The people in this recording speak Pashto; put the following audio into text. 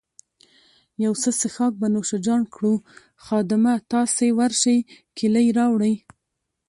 یو څه څیښاک به نوش جان کړو، خادمه، تاسي ورشئ کیلۍ راوړئ.